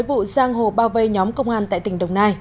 liên quan tới vụ giang hồ bao vây nhóm công an tại tỉnh đồng nai